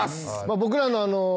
僕らの。